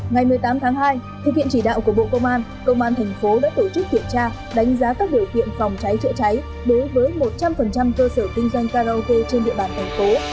ngày một mươi tám tháng hai thực hiện chỉ đạo của bộ công an công an thành phố đã tổ chức kiểm tra đánh giá các điều kiện phòng cháy chữa cháy đối với một trăm linh cơ sở kinh doanh karaoke trên địa bàn thành phố